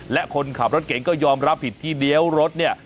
และคนขับรถเก่งก็ยอมรับผิดที่เลี้ยวรถเนี่ย